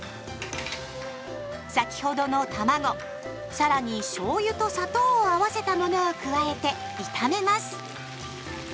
先ほどのたまご更にしょうゆと砂糖を合わせたものを加えて炒めます。